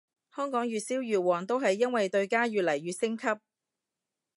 香港越燒越旺都係因為對家越嚟越升級